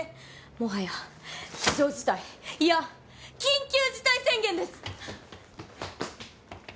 もはや非常事態いや緊急事態宣言です。